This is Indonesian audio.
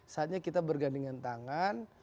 saatnya kita bergandingan tangan